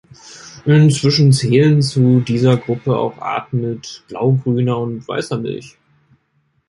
Inzwischen zählen zu dieser Gruppe auch Arten mit blaugrüner und weißer Milch.